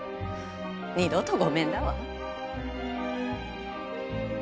二度とごめんだわ。